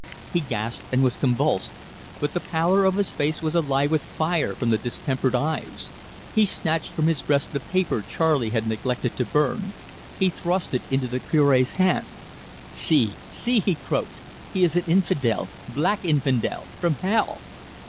He gasped and was convulsed, but the pallor of his face was alive with fire from the distempered eyes. He snatched from his breast the paper Charley had neglected to burn. He thrust it into the Curb's hand. "See see!" he croaked. "He is an infidel black infidel from hell!"